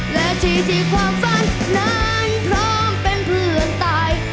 และที่ความฝันนั้นพร้อมเป็นเพื่อนตาย